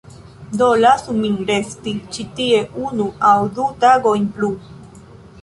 Do lasu min resti ĉi tie unu aŭ du tagojn plu.